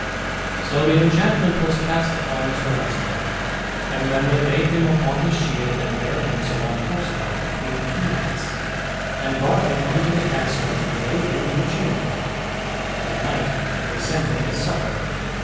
So the enchantment was cast upon Sir Launcelot. And then they laid him upon his shield, and bare him so on horseback between two knights, and brought him unto the castle and laid him in a chamber, and at night they sent him his supper.